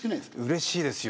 うれしいですよ。